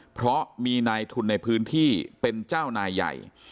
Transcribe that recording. เพราะมีนายทุนในพื้นที่เป็นเจ้านายใหญ่